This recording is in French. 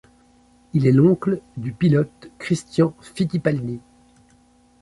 Il est l'oncle du pilote Christian Fittipaldi.